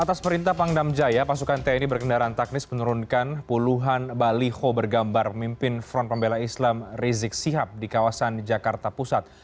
atas perintah pangdam jaya pasukan tni berkendaraan teknis menurunkan puluhan baliho bergambar mimpin front pembela islam rizik sihab di kawasan jakarta pusat